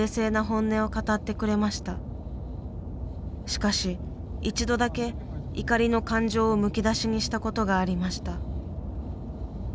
しかし一度だけ怒りの感情をむき出しにしたことがありました。